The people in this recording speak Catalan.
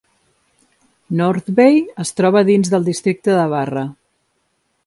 Northbay es troba dins del districte de Barra.